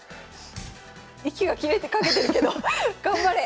息が切れかけてるけど頑張れ！